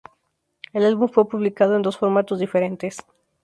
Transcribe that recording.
El álbum fue publicado en dos formatos diferentes.